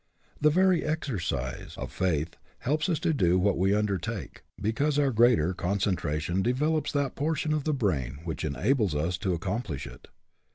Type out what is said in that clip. The very exercise of faith helps us to do what we undertake, be cause our greater concentration develops that portion of the brain which enables us to accom plish it.